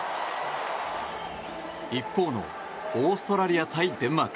一方のオーストラリア対デンマーク。